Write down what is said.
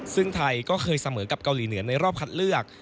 ซึ่งไทยก็เคยเสมอกับเกาหลีเหนือในรอบคัดเลือก